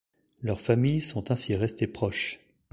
Leurs familles sont ainsi restées proches.